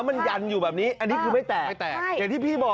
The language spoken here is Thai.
มันจะยุบลงไปเลยก็จะมีลม